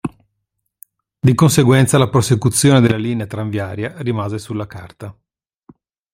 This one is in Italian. Di conseguenza la prosecuzione della linea tranviaria rimase sulla carta.